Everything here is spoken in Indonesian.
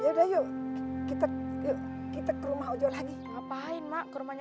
ya udah yuk kita kita ke rumah ojo lagi ngapain mak ke rumahnya